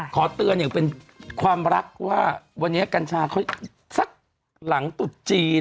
ขอเตือนอย่างเป็นความรักว่าวันนี้กัญชาเขาสักหลังตุดจีน